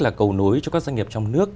là cầu nối cho các doanh nghiệp trong nước